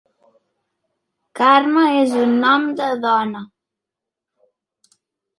Carme és un nom de dona.